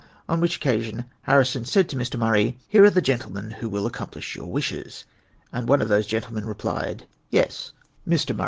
; on which occasion Harrison said to aSIy. Murray, '•' Here are the gentlemen who will accomplish yi»ur wishes;" and one of those gentlemen replied, "Yes, LIEUT.